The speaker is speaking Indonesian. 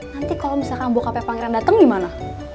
nanti kalau misalkan bokapai pangeran dateng gimana